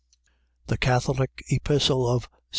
THE CATHOLIC EPISTLE OF ST.